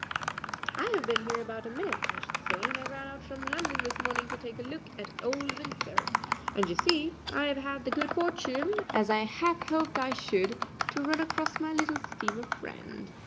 "I have been here about a minute, I should say, and I ran out from London this morning to take a look at old Windsor, and, you see, I have had the good fortune, as I half hoped I should, to run across my little steamer friend."